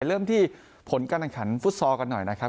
เริ่มที่ผลการแข่งขันฟุตซอลกันหน่อยนะครับ